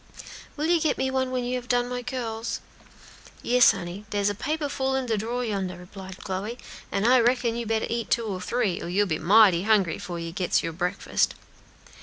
"Will you get me one when you have done my curls?" "Yes, honey, dere's a paper full in de drawer yonder," replied Chloe, "an' I reckon you better eat two or three, or you'll be mighty hungry 'fore you gits your breakfast."